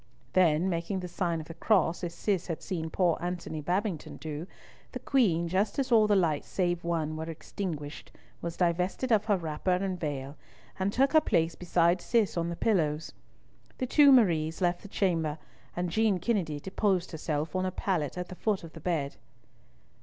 Then, making the sign of the cross, as Cis had seen poor Antony Babington do, the Queen, just as all the lights save one were extinguished, was divested of her wrapper and veil, and took her place beside Cis on the pillows. The two Maries left the chamber, and Jean Kennedy disposed herself on a pallet at the foot of the bed.